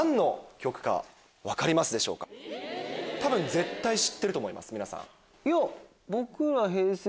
絶対知ってると思います皆さん。